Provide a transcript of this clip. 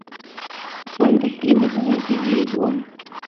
Fuente: Libreto de "This Is War".